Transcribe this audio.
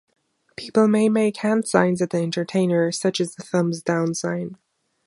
People may make hand signs at the entertainer, such as the thumbs down sign.